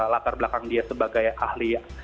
latar belakang dia sebagai ahli